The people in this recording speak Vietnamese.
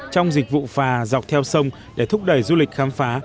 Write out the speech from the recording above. trong dịch vụ phà dọc theo sông để thúc đẩy du lịch khám phá